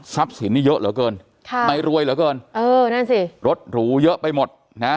ทรัพย์สินที่เยอะเหรอเกินไม้รวยเหรอเกินรถหรูเยอะไปหมด